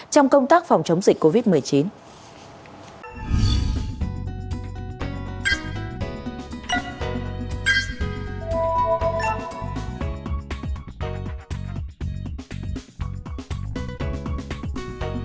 trong công tác phòng chống dịch covid một mươi chín